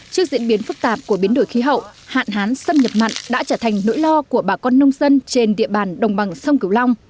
trước diễn biến phức tạp của biến đổi khí hậu hạn hán xâm nhập mặn đã trở thành nỗi lo của bà con nông dân trên địa bàn đồng bằng sông cửu long